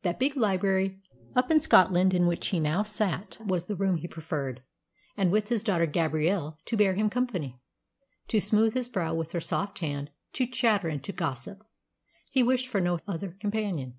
That big library up in Scotland in which he now sat was the room he preferred; and with his daughter Gabrielle to bear him company, to smooth his brow with her soft hand, to chatter and to gossip, he wished for no other companion.